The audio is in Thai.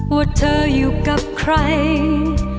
ว่าเธออยู่กับใคร